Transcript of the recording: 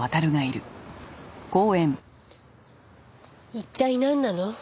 一体なんなの？